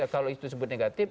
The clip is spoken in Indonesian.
kalau disebut negatif